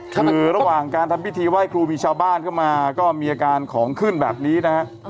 คือระหว่างการทำพิธีไหว้ครูมีชาวบ้านเข้ามาก็มีอาการของขึ้นแบบนี้นะฮะ